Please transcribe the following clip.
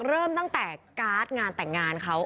เริ่มตั้งแต่การ์ดงานแต่งงานเขา